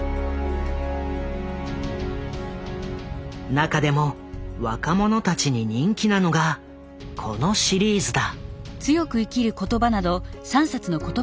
中でも若者たちに人気なのがこのシリーズだ。